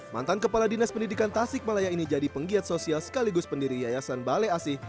mantan kepala dinas pendidikan tasik malaya ini jadi penggiat sosial sekaligus pendiri yayasan balai asih